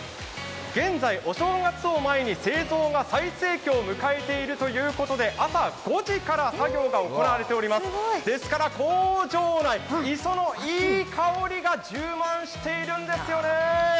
現在お正月を前に製造が最盛期を迎えているということで朝５時から作業が行われておりますですから工場内、磯のいい香りが充満しているんですよね。